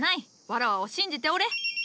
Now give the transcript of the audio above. わらわを信じておれ。